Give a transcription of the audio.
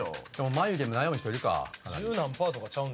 眉毛も悩む人いるか。